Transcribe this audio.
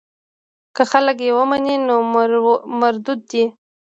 که خلک یې ونه مني نو مردود دی.